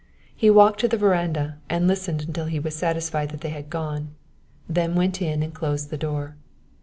He walked to the veranda and listened until he was satisfied that they had gone; then went in and closed the door.